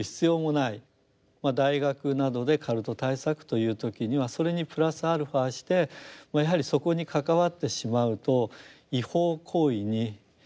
大学などでカルト対策という時にはそれにプラスアルファしてやはりそこに関わってしまうと違法行為に巻き込まれる。